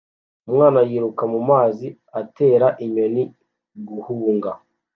Umwana yiruka mumazi atera inyoni guhunga